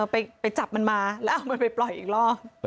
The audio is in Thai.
ไปจับมันมาแล้วเอามันไปปล่อยอีกรอบ